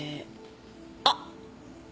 あっ！